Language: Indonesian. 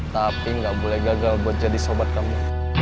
tapi nggak boleh gagal buat jadi sobat kamu